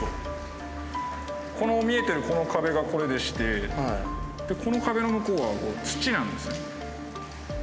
この見えてるこの壁がこれでしてでこの壁の向こうは土なんですね。